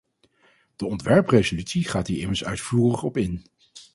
De ontwerpresolutie gaat hier immers uitvoerig op in.